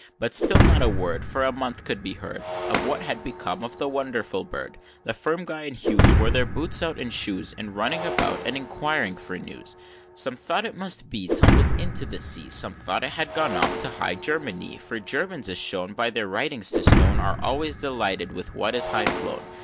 V. But still not a word For a month could be heard Of what had become of the Wonderful Bird; The firm Gye and Hughes, Wore their boots out and shoes, In running about and inquiring for news. VI. Some thought it must be Tumbled into the Sea; Some thought it had gone off to High Germanie For Germans, as shown By their writings, 'tis known Are always delighted with what is high flown.